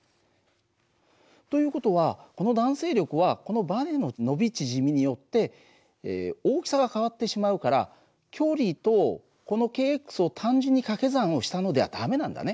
という事はこの弾性力はこのバネの伸び縮みによって大きさは変わってしまうから距離とこのｋを単純に掛け算をしたのでは駄目なんだね。